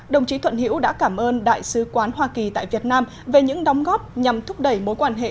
đồng chí thuận hiễu đã cảm ơn đại sứ quán hoa kỳ tại việt nam về những đóng góp nhằm thúc đẩy mối quan hệ